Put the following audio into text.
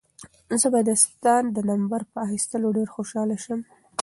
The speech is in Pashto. زه به ستا د نمبر په اخیستلو ډېر خوشحاله شم.